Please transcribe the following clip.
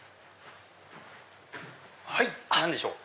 はい何でしょう？